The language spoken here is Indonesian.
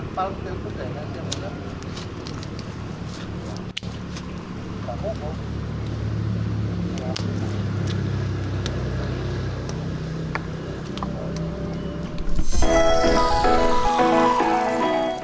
untuk membuat kanak menjadi treotelh